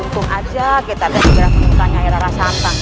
untung saja kita ada segera temukan air rasa santan ya